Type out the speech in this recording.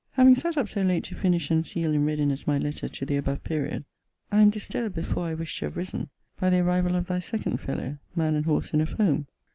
Having sat up so late to finish and seal in readiness my letter to the above period, I am disturbed before I wished to have risen, by the arrival of thy second fellow, man and horse in a foam.